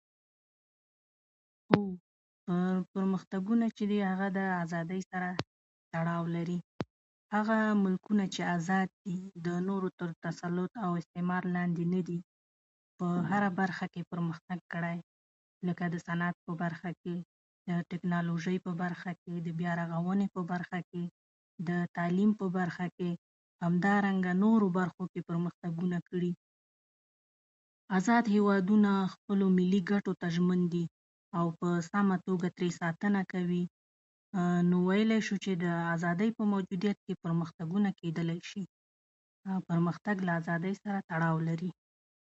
په پرمختګونو کې چې دي، هغه د ازادۍ سره تړاو لري. هغه ملتونه چې ازاد دي، د نورو د تسلط او استعمار لاندې نه دي، په هره برخه کې پرمختګ کړی، لکه د صنعت په برخه کې، د ټکنالوژۍ په برخه کې، د بیارغونې په برخه کې، د تعلیم په برخه کې، همدارنګه نورو برخو کې پرمختګونه کړي. ازاد هېوادونه خپلو ملي ګټو ته ژمن دي او په سمه توګه ترې ساتنه کوي. نو ویلی شو چې د ازادۍ په موجودیت کې پرمختګونه کېدلای شي، او پرمختګ له ازادۍ سره تړاو لري.